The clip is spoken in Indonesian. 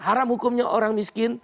haram hukumnya orang miskin